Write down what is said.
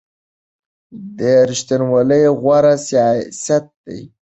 ریښتینولي غوره سیاست دی.